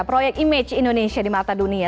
proyek image indonesia di mata dunia